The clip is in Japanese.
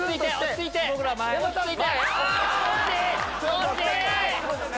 惜しい！